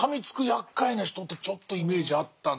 やっかいな人ってちょっとイメージあったんですけど